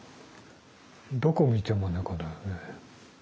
どこを見ても猫だよね。